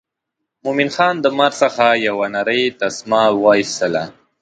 مومن خان د مار څخه یو نرۍ تسمه وایستله.